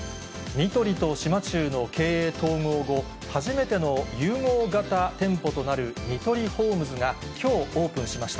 ニトリと島忠の経営統合後、初めての融合型店舗となるニトリホームズが、きょうオープンしました。